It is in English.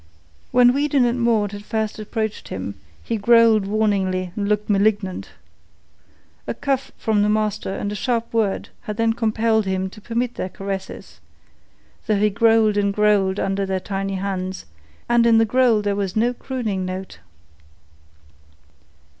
When Weedon and Maud had first approached him, he growled warningly and looked malignant. A cuff from the master and a sharp word had then compelled him to permit their caresses, though he growled and growled under their tiny hands, and in the growl there was no crooning note.